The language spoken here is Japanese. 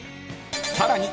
［さらに］